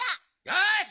よし！